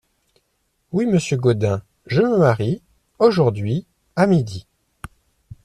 Oui, monsieur Gaudin, je me marie… aujourd’hui, à midi !